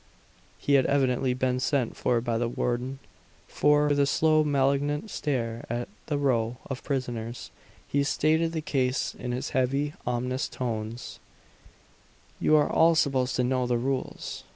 He had evidently been sent for by the warden; for, with a slow, malignant stare at the row of prisoners, he stated the case in his heavy, ominous tones: "You are all supposed to know the rules.